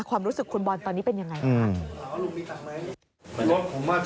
ความรู้สึกคุณบอลตอนนี้เป็นยังไงคะ